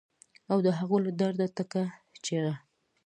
او د هغو له درده ډکه چیغه